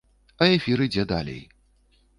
А эфір ідзе далей.